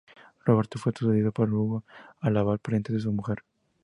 Roberto fue sucedido por Hugo el Abad, pariente de su mujer.